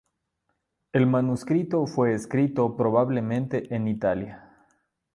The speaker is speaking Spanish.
El manuscrito fue escrito probablemente en Italia.